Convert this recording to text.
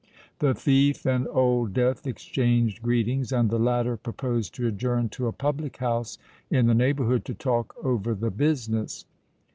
The thief and Old Death exchanged greetings; and the latter proposed to adjourn to a public house in the neighbourhood to talk over the business.